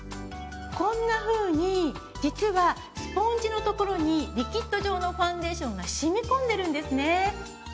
こんなふうに実はスポンジのところにリキッド状のファンデーションがしみこんでるんですね。